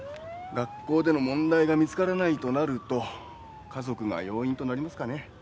学校での問題が見つからないとなると家族が要因となりますかね。